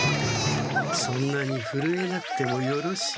そんなにふるえなくてもよろしい。